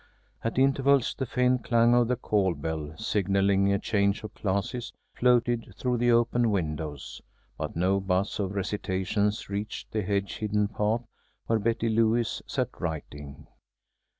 At intervals the faint clang of the call bell, signalling a change of classes, floated through the open windows, but no buzz of recitations reached the hedge hidden path where Betty Lewis sat writing.